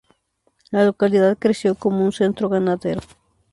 La localidad creció como un centro ganadero.